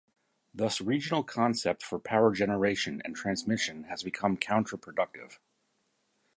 Thus regional concept for power generation and transmission has become counter productive.